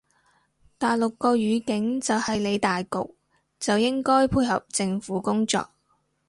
大陸個語境就係理大局就應該配合政府工作